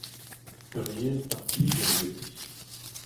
Ur yezh startijenn ganti.